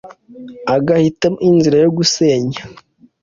agahitamo inzira yo gusenya